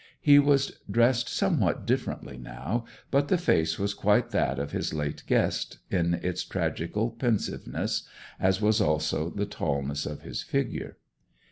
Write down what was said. He was dressed somewhat differently now, but the face was quite that of his late guest in its tragical pensiveness, as was also the tallness of his figure.